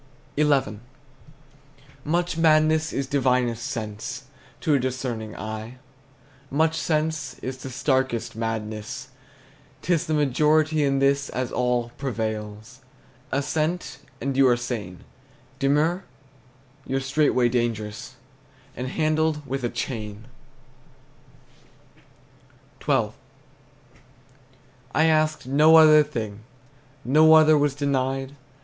XI. Much madness is divinest sense To a discerning eye; Much sense the starkest madness. 'T is the majority In this, as all, prevails. Assent, and you are sane; Demur, you're straightway dangerous, And handled with a chain. XII. I asked no other thing, No other was denied.